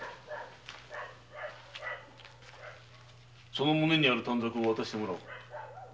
その胸にある短冊を渡してもらおう。